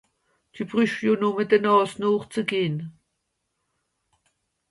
Dü brüsch jo nùmme de Nààs nooch ze gehn.